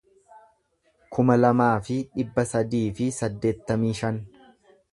kuma lamaa fi dhibba sadii fi saddeettamii shan